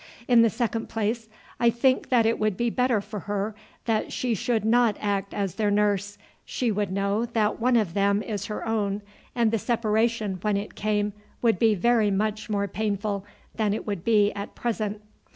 In the second place I think that it would be better for her that she should not act as their nurse. She would know that one of them is her own, and the separation when it came would be very much more painful than it would be at present.